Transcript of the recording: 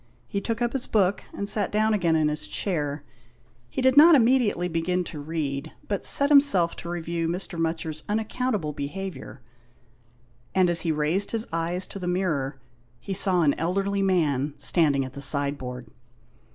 He took up his book, and sat down again in his chair. He did not immedi ately begin to read, but set himself to review Mr. Mutcher's unaccountable behaviour, and as he raised his eyes to the mirror he saw an elderly man standing at the sideboard.